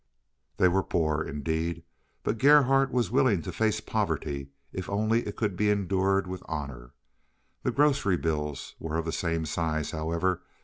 They were poor, indeed, but Gerhardt was willing to face poverty if only it could be endured with honor. The grocery bills were of the same size, however.